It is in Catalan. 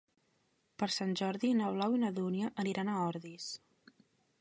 Per Sant Jordi na Blau i na Dúnia aniran a Ordis.